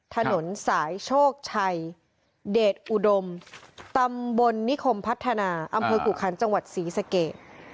ถนนสายโชคชัยเดชอุดมตำบลนิคมพัฒนาอำเภอกุคันจังหวัดศรีสเกต